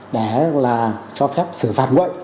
để cho phép sử phạt nguội